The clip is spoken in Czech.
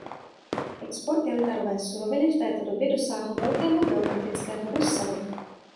Export jantarové suroviny v této době dosáhl velkého geografického rozsahu.